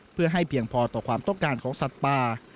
เพื่อให้เพียงพอต่อความต้องการของสัตว์ป่า